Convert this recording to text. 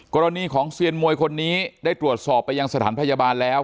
กรณีของเซียนมวยคนนี้ได้ตรวจสอบไปยังสถานพยาบาลแล้ว